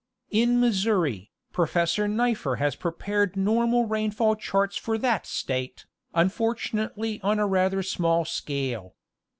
In Missouri, Professor Nipher has prepared normal rainfall charts for that State, unfortunately on rather a small scale.